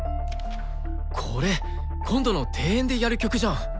これ今度の定演でやる曲じゃん！